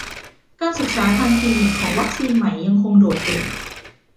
การศึกษาทางคลินิกของวัคซีนใหม่ยังคงโดดเด่น